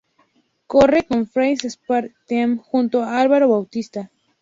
Corre con el Mapfre Aspar Team, junto a Álvaro Bautista.